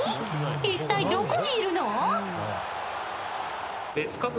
一体どこにいるの？